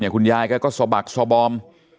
คุณยายแกก็สะบักสบอม